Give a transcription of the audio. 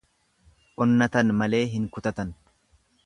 Onnatan malee hin kutatan.